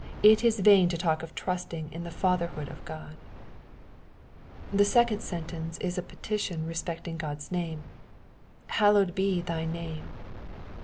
it is vain to talk of trusting in the Fatherhood of God. The second sentence is apetttionrespecting GocPsname :" Hallowed be thy name.'"